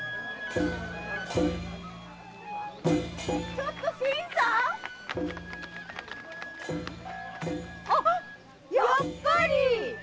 ちょっと新さん⁉あやっぱり！